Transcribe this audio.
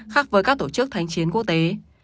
khác với các tổ chức thánh chiến quốc tế